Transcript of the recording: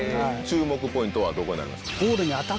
注目ポイントはどこになりますか？